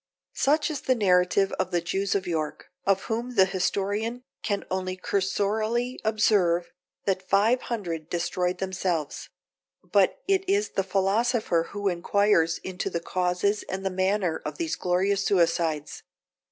Such is the narrative of the Jews of York, of whom the historian can only cursorily observe that five hundred destroyed themselves; but it is the philosopher who inquires into the causes and the manner of these glorious suicides.